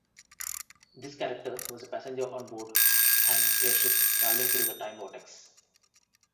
This character was a passenger on board an airship travelling through the Time Vortex.